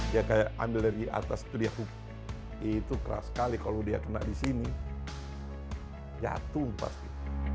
ya kayak ambil dari atas itu keras sekali kalau dia kena disini jatuh pasti